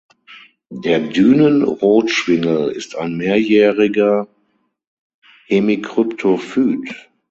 Der Dünen-Rot-Schwingel ist ein mehrjähriger Hemikryptophyt.